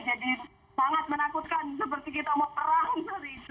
jadi sangat menakutkan seperti kita mau perang